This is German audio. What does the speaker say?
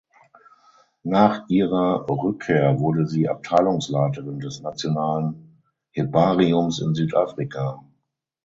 Nach ihrer Rückkehr wurde sie Abteilungsleiterin des Nationalen Herbariums in Südafrika.